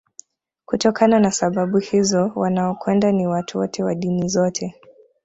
Kutokana na sababu hizo wanaokwenda ni watu wote wa dini zote